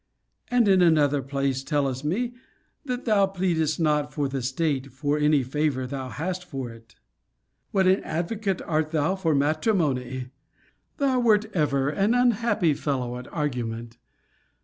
And, in another place, tellest me, 'That thou pleadest not for the state for any favour thou hast for it.' What an advocate art thou for matrimony ! Thou wert ever an unhappy fellow at argument.